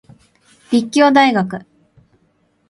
立教大学